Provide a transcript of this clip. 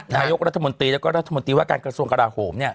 นายกรัฐมนตรีและการกระทรวงกระดาษโขม